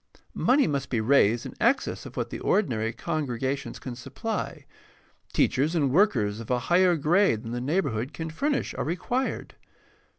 Money must be raised in excess of what the ordinary congregations can supply. Teachers and workers of a higher grade than the neighborhood can furnish are required.